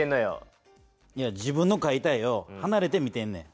自分のかいた絵をはなれて見てんねん。